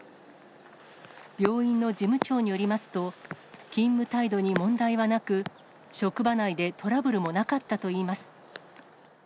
病院の事務長によりますと、勤務態度に問題はなく、職場内でトラブルもなかったといいます。